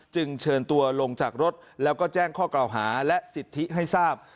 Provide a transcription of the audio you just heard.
จึงเชิญตัวลงจากรถแล้วก็แจ้งข้อกล่าวหาและสิทธิให้ทราบ